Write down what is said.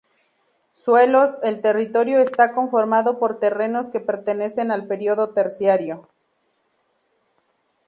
Suelos: El territorio está conformado por terrenos que pertenecen al periodo terciario.